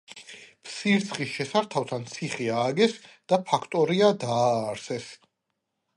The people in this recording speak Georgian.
ფსირცხის შესართავთან ციხე ააგეს და ფაქტორია დააარსეს.